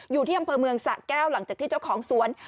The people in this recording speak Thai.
อยู่ที่อำเภอเมืองสะแก้วหลังจากที่เจ้าของสวน